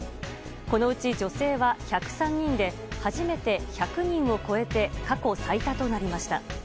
このうち、女性は１０３人で初めて１００人を超えて過去最多となりました。